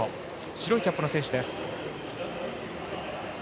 白いキャップの選手です。